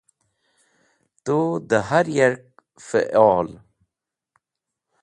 Tut dẽ har yak fẽal.